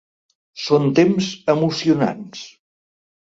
Són temps emocionants.